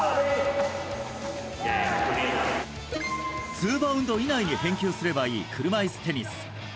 ツーバウンド以内に返球すればいい車いすテニス。